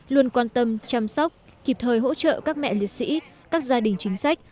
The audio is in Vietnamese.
luôn quan tâm chăm sóc kịp thời hỗ trợ các mẹ liệt sĩ các gia đình chính sách